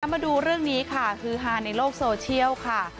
มาดูเรื่องนี้ค่ะคือฮาในโลกโซเชียลค่ะ